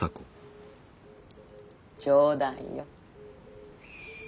冗談よ。